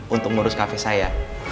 untuk menurus cafe saya